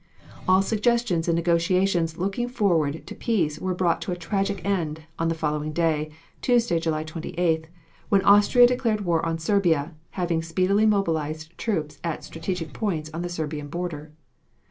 ] All suggestions and negotiations looking forward to peace were brought to a tragic end on the following day, Tuesday, July 28th, when Austria declared war on Serbia, having speedily mobilized troops at strategic points on the Serbian border.